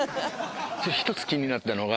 １つ気になったのが。